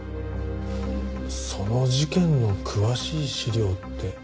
その事件の詳しい資料ってありますか？